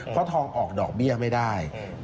เพราะทองออกดอกเบี้ยไม่ได้